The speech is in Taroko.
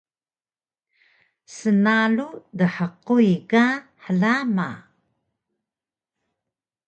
snalu dhquy ka hlama